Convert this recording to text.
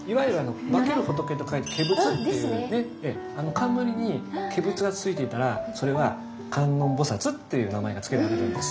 冠に化仏がついていたらそれは観音菩という名前が付けられるんです。